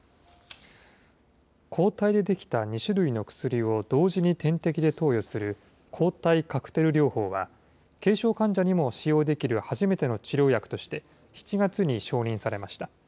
抗体で出来た２種類の薬を同時に点滴で投与する抗体カクテル療法は、軽症患者にも使用できる初めての治療薬として７月に承認されました。